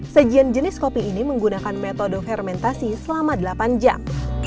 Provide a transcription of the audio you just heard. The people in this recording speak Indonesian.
sajian jenis kopi ini menggunakan metode fermentasi selama delapan jam